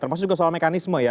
termasuk juga soal mekanisme ya